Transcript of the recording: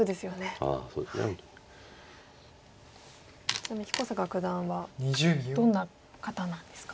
ちなみに彦坂九段はどんな方なんですか？